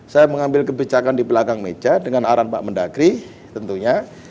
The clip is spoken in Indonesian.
saya mengambil kebijakan di belakang meja dengan arahan pak mendagri tentunya